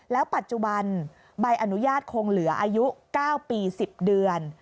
แล้วปัจจุบันใบอนุญาตคงเหลืออายุ๙ปี๑๐เดือน